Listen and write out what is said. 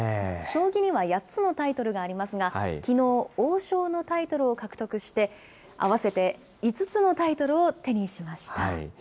将棋には８つのタイトルがありますが、きのう、王将のタイトルを獲得して、合わせて５つのタイトルを手にしました。